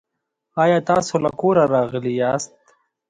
آیا تاسو له کوره راغلي یاست؟